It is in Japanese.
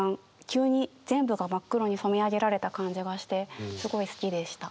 急に全部が真っ黒に染め上げられた感じがしてすごい好きでした。